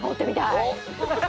おっ！